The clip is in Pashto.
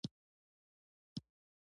د ګمرکونو عواید په شفافه توګه راټولیږي.